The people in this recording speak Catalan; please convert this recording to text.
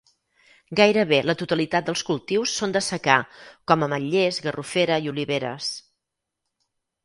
Gairebé la totalitat dels cultius són de secà com ametlers, garrofera i oliveres.